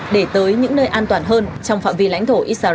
để tới những nơi an toàn hơn trong phạm vi lãnh thổ israel